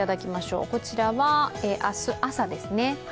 こちらは明日朝ですね。